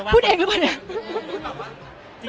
พูดเองหรือเปล่าเนี่ย